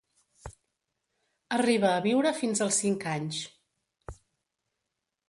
Arriba a viure fins als cinc anys.